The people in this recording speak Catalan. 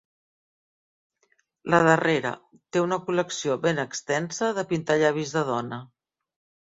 La darrera: té una col·lecció ben extensa de pintallavis de dona.